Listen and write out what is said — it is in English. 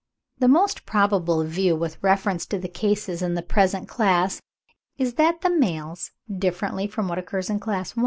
The most probable view with reference to the cases in the present class is that the males, differently from what occurs in Class I.